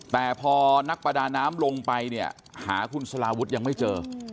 แต่พอนักประดาน้ำลงไปเนี่ยหาคุณสลาวุฒิยังไม่เจอ